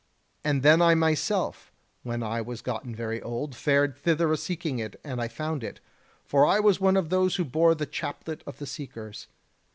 And then I myself, when I was gotten very old, fared thither a seeking it, and I found it; for I was one of those who bore the chaplet of the seekers.